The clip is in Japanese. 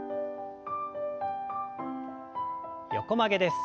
横曲げです。